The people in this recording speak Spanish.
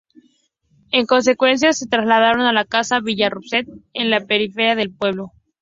En consecuencia, se trasladaron a la casa "Villa Rosset", en la periferia del pueblo.